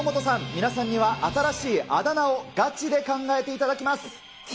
皆さんには新しいあだ名をガチで考えていただきます。